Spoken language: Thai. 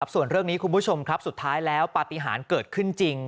ส่วนเรื่องนี้คุณผู้ชมครับสุดท้ายแล้วปฏิหารเกิดขึ้นจริง